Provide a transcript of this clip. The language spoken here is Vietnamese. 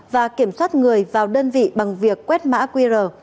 và kiểm soát người vào đơn vị bằng việc quét mã qr